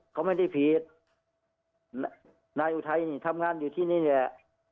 เขาไม่ได้ผิดนายอุทัยนี่ทำงานอยู่ที่นี่แหละ